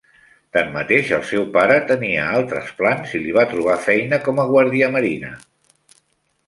Tanmateix, el seu pare tenia altres plans i li va trobar feina com a guardiamarina.